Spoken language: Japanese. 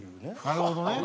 なるほどね。